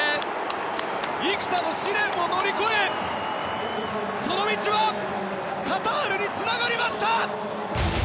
幾多の試練を乗り越えその道はカタールにつながりました！